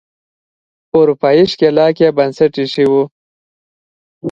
اروپایي ښکېلاک یې بنسټ ایښی و.